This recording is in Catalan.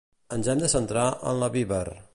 Ens hem de centrar en la Viber.